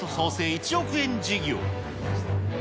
１億円事業。